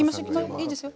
いいですよ。